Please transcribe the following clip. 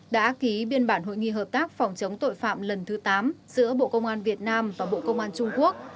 đã ký biên bản hội nghị hợp tác phòng chống tội phạm lần thứ tám giữa bộ công an việt nam và bộ công an trung quốc